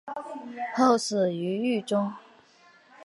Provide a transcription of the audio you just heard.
后死于狱中。